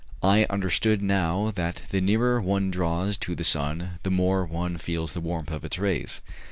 I understood now that the nearer one draws to the sun the more one feels the warmth of its rays.